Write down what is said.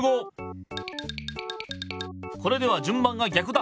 これでは順番がぎゃくだ。